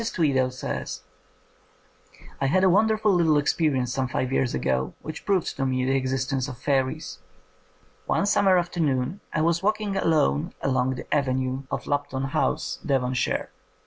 Tweedale says: "I had a wonderful little experience some five years ago which proved to me the exist ence of fairies. One summer afternoon I was walking alone along the avenue of Lup 131 THE COMING OF THE FAIRIES ton House, Devonshire.